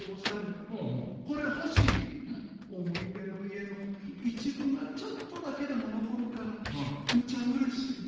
これ欲しい」「思い出の家の一部がちょっとだけでも残るからむちゃうれしい。